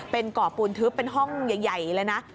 เป็นก่อปูนทึบเป็นห้องใหญ่เลยนะ